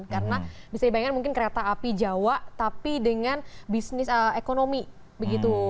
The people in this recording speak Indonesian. karena bisa dibayangkan mungkin kereta api jawa tapi dengan bisnis ekonomi begitu